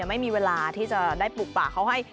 ไม่มีเวลาที่จะได้ปลูกป่าเขาให้